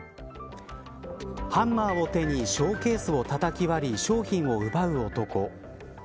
ハンマーを手にショーケースをたたき割り商品を奪う男。